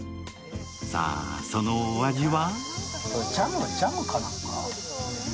さあ、そのお味は？